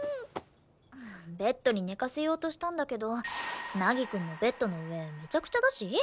ベッドに寝かせようとしたんだけど凪くんのベッドの上めちゃくちゃだし？